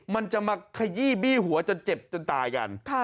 มันจะมาขยี้บี้หัวจนเจ็บจนตายกัน